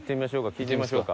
聞いてみましょうか。